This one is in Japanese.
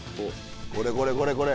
これこれこれこれ。